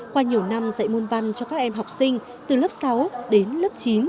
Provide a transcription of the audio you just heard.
qua nhiều năm dạy môn văn cho các em học sinh từ lớp sáu đến lớp chín